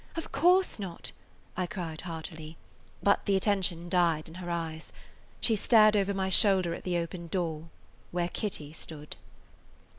Of course not!" I cried heartily, but the attention died in her eyes. She stared over my shoulder at the open door, where Kitty stood.